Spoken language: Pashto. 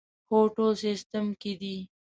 هو، ټول سیسټم کې دي